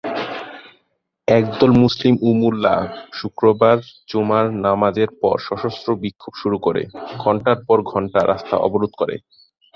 একদল মুসলিম ও মোল্লা শুক্রবার জুমার নামাজের পর সশস্ত্র বিক্ষোভ শুরু করে, ঘণ্টার পর ঘণ্টা রাস্তা অবরোধ করে।